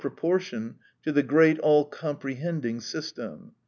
10 proportion to the great all comprehending system.